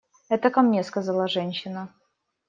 – Это ко мне, – сказала женщина.